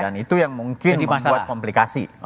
dan itu yang mungkin membuat komplikasi